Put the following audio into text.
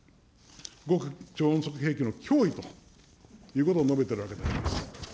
極超音速兵器の脅威ということを述べているわけであります。